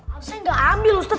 rasanya gak ambil ustadz